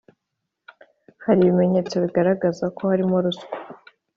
hari ibimenyetso bigaragaza ko harimo ruswa